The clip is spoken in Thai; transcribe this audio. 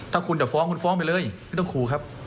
ถ้าคุณจะฟ้องคุณฟ้องไปเลยไม่ต้องขู่ครับ